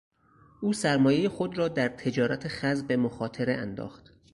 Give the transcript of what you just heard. او سرمایهی خود را در تجارت خز به مخاطره انداخت.